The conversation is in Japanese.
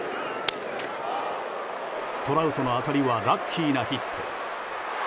トラウトの当たりはラッキーなヒット。